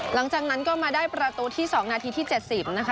หลังจากนั้นก็มาได้ประตูที่๒นาทีที่๗๐นะคะ